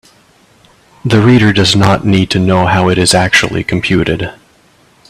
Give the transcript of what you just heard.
The reader does not need to know how it is actually computed.